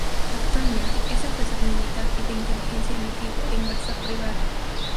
Actualmente, es asesor militar y de inteligencia en activo e inversor privado.